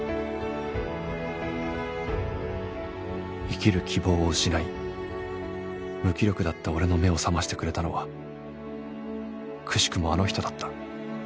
生きる希望を失い無気力だった俺の目を覚ましてくれたのはくしくもあの人だった